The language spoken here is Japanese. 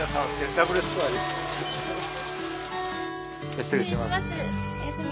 失礼します。